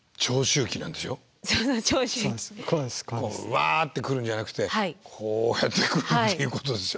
わって来るんじゃなくてこうやって来るっていうことですよね。